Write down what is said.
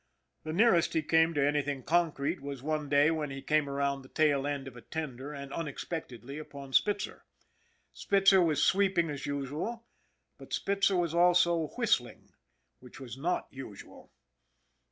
The nearest he came to anything concrete was one day when he came around the tail end of a tender and, un expectedly, upon Spitzer. Spitzer was sweeping as usual, but Spitzer was also whistling which was not usual.